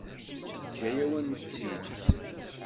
Teǧǧa-yawen-tt-id.